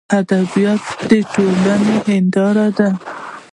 ادبیات دټولني هنداره ده.